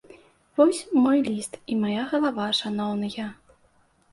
Вось мой ліст і мая галава, шаноўныя.